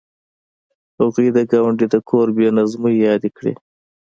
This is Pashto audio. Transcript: هغې د ګاونډي د کور بې نظمۍ یادې کړې